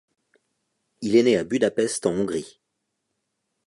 Il est né à Budapest en Hongrie.